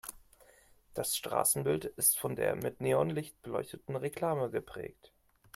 Das Straßenbild ist von der mit Neonlicht beleuchteten Reklame geprägt.